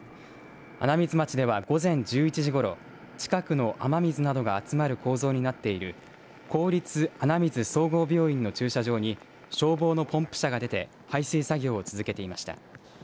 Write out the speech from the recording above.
穴水町では、午前１１時ごろ近くの雨水などが集まる構造になっている公立穴水総合病院駐車場に消防のポンプ車が出て排水作業を続けていました。